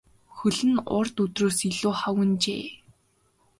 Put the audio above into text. Хөл нь урд өдрөөс илүү хавагнажээ.